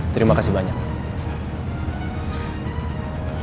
terima kasih banyak